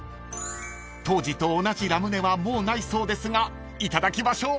［当時と同じラムネはもうないそうですがいただきましょう］